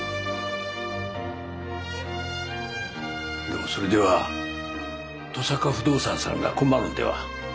でもそれでは登坂不動産さんが困るんでは？